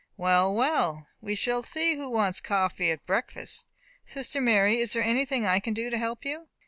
"Well, well, we shall see who wants coffee at breakfast. Sister Mary, is there anything I can do to help you?"